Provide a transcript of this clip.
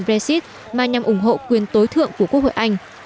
brexit mà nhằm ủng hộ quyền tối thượng của quốc hội anh